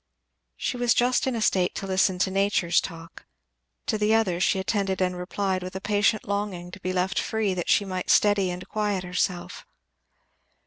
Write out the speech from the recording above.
She was just in a state to listen to nature's talk; to the other she attended and replied with a patient longing to be left free that she might steady and quiet herself.